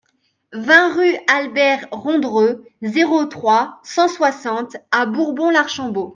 vingt rue Albert Rondreux, zéro trois, cent soixante à Bourbon-l'Archambault